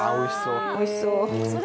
財前：おいしそう。